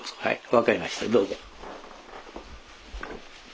分かりましたどうぞ。